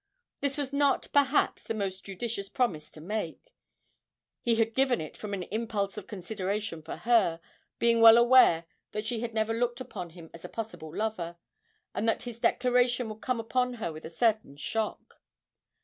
This was not, perhaps, the most judicious promise to make; he had given it from an impulse of consideration for her, being well aware that she had never looked upon him as a possible lover, and that his declaration would come upon her with a certain shock.